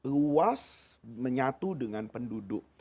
luas menyatu dengan penduduk